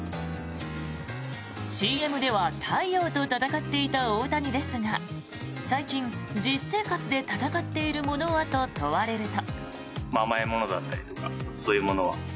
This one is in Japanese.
ＣＭでは太陽と戦っていた大谷ですが最近、実生活で戦っているものは？と問われると。